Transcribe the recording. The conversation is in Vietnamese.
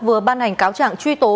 vừa ban hành cáo trạng truy tố